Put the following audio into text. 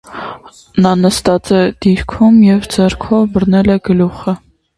Նա նստած է դիրքում է և ձեռքով բռնել է գլուխը։